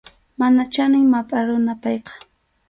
Mana chanin mapʼa runam payqa.